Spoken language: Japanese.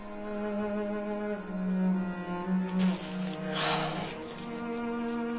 はあ。